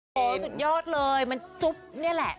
โอ้โหสุดยอดเลยมันจุ๊บนี่แหละ